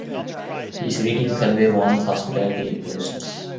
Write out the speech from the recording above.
These greetings convey warmth, hospitality, and closeness.